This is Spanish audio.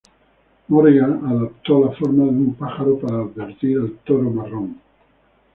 Morrigan adoptó la forma de un pájaro para advertir al Toro Marrón.